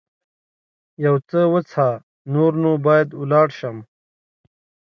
یو څه وڅښه، نور نو باید ولاړ شم.